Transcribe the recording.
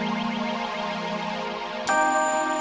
emang punya jenis enak